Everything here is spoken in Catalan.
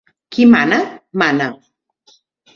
Qui mana, mana.